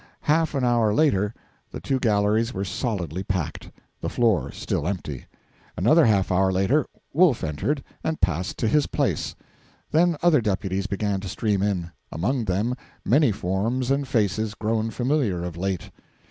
Half an hour later the two galleries were solidly packed, the floor still empty. Another half hour later Wolf entered and passed to his place; then other deputies began to stream in, among them many forms and faces grown familiar of late.